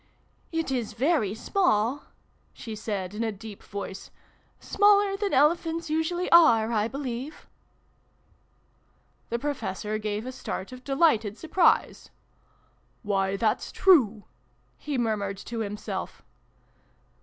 " It is very small," she said in a deep voice. " Smaller than elephants usually are, I believe ?" The Professor gave a start of delighted surprise. " Why, that's true /" he murmured to himself.